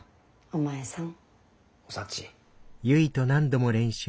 お前さん。